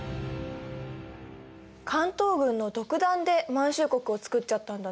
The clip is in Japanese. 関東軍の独断で満州国をつくっちゃったんだね。